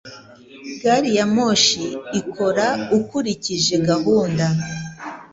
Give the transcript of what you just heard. Gariyamoshi ikora ukurikije gahunda